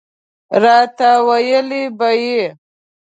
راته ویله به یې.